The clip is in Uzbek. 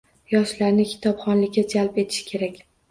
Yoshlarni kitobxonlikka jalb etish kerak.